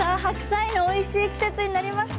白菜のおいしい季節になりました。